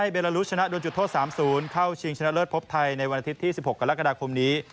เบลาลุชนะโดนจุดโทษ๓๐เข้าชิงชนะเลิศพไทยในวันอาทิตย์ที่๑๖กรกฎาคมนี้